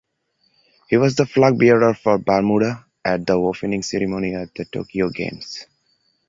He was the flagbearer for Bermuda at the opening ceremony of the Tokyo Games.